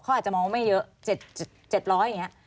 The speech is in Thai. เขาอาจจะมองว่าไม่เยอะ๗๐๐อย่างนี้